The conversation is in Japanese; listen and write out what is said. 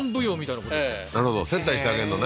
なるほど接待してあげんだね